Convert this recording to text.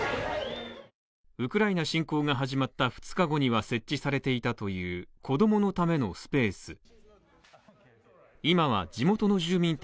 ウクライナ侵攻が始まった２日後には設置されていたという子供のためのスペース。